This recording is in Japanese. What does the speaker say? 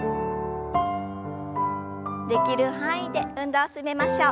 できる範囲で運動を進めましょう。